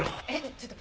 ちょっと。